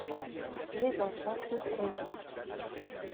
Les enfants eurent congé.